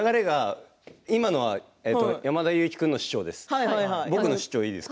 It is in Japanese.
今のは山田裕貴君の主張です。